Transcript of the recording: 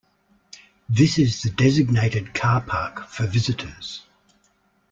This is the designated car park for visitors.